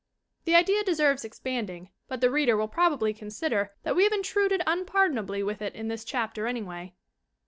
The idea deserves expanding, but the reader will probabjy consider that we have intruded unpardon ably with it in this chapter anyway.